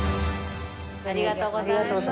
ありがとうございます。